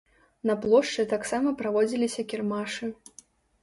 На плошчы таксама праводзіліся кірмашы.